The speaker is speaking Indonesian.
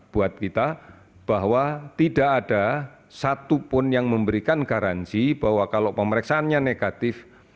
buat kita bahwa tidak ada satupun yang memberikan garansi bahwa kalau pemeriksaannya negatif